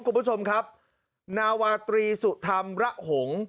คุณผู้ชมครับนาวาตรีสุธรรมระหงษ์